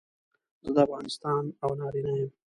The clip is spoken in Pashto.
زه د افغانستان او نارینه یم.